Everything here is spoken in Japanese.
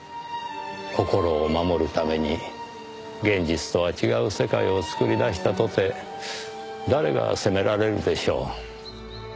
心を守るために現実とは違う世界を作り出したとて誰が責められるでしょう。